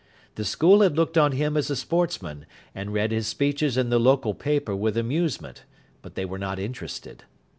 The school had looked on him as a sportsman, and read his speeches in the local paper with amusement; but they were not interested.